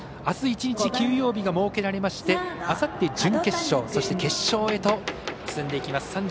あす１日休養日が設けられましてあさって準決勝そして決勝へと進んでいきます。